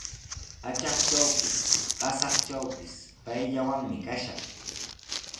Atraqtrawpis, qasatrawpis payllawanmi kashaq.